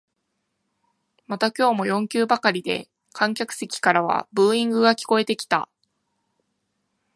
また今日も四球ばかりで観客席からはブーイングが聞こえてきた